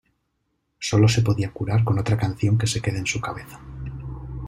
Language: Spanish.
Solo se podía curar con otra canción que se quede en su cabeza.